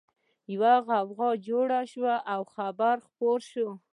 يوه غوغا جوړه شوه او خبر خپور شو